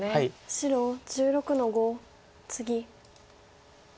白１６の五ツギ。